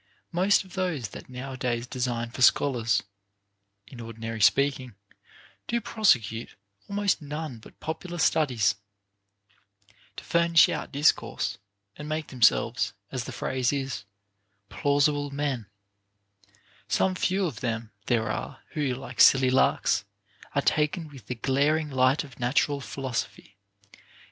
Most of those that nowadays design for scholars (in ordinary speaking) do prosecute almost none but popular studies ; to furnish out discourse, and make themselves, as the phrase is, plausible men ; some few of them there are who, like silly larks, are taken with the glaring light of natural philosophy, and.